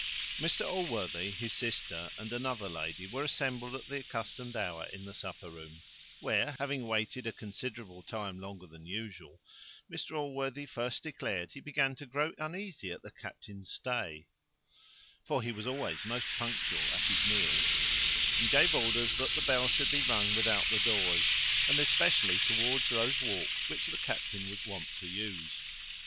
Mr Allworthy, his sister, and another lady, were assembled at the accustomed hour in the supper room, where, having waited a considerable time longer than usual, Mr Allworthy first declared he began to grow uneasy at the captain's stay (for he was always most punctual at his meals); and gave orders that the bell should be rung without the doors, and especially towards those walks which the captain was wont to use.